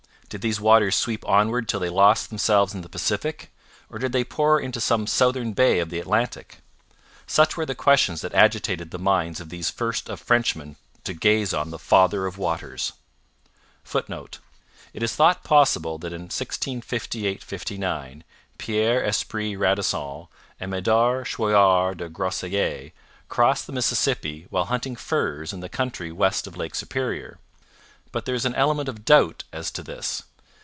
Did these waters sweep onward till they lost themselves in the Pacific, or did they pour into some southern bay of the Atlantic? Such were the questions that agitated the minds of these first of Frenchmen to gaze on the 'Father of Waters,' [Footnote: It is thought possible that in 1658 59 Pierre Esprit Radisson and Medard Chouart des Groseilliers crossed the Mississippi while hunting furs in the country west of Lake Superior; but there is an element of doubt as to this.